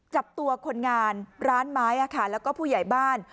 จับตัวคนงานร้านไม้แล้วก็ผู้ใหญ่บ้าน